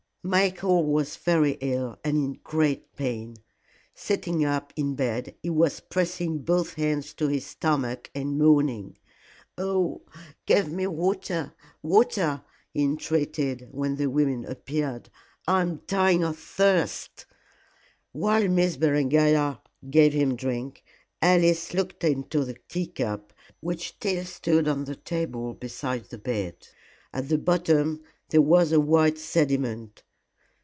Michael was very ill and in great pain. Sitting up in bed, he was pressing both hands to his stomach and moaning. "Oh, give me water water," he entreated, when the women appeared. "I am dying of thirst." While Miss Berengaria gave him drink, Alice looked into the tea cup, which still stood on the table beside the bed. At the bottom there was a white sediment.